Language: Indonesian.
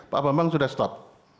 pak bambang sudah stop